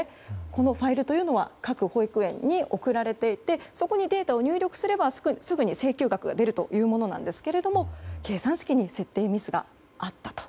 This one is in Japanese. このファイルは各保育園に送られていてそこにデータを入力すればすぐに請求額が出るというものなんですが計算式に設定ミスがあったと。